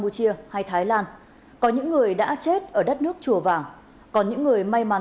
xin chào và hẹn gặp lại